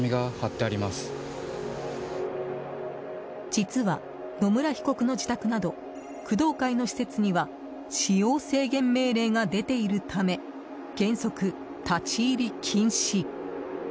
実は野村被告の自宅など工藤会の施設には使用制限命令が出ているため原則立ち入り禁止。